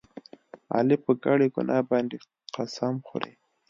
علي په کړې ګناه باندې قسم خوري.